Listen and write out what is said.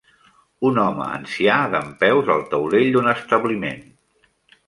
Un home ancià dempeus al taulell d'un establiment.